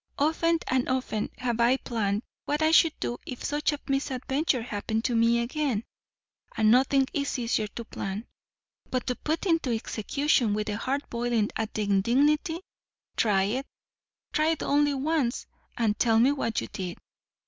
Often and often have I planned what I should do if such a misadventure happened to me again. And nothing is easier to plan. But to put in execution, with the heart boiling at the indignity? Try it; try it only once; and tell me what you did.